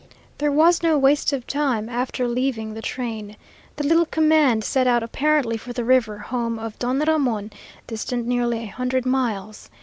There was no waste of time after leaving the train. The little command set out apparently for the river home of Don Ramon, distant nearly a hundred miles.